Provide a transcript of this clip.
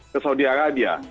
ke saudi arabia